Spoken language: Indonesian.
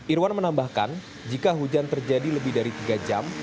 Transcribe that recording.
irwan menambahkan jika hujan terjadi lebih dari tiga jam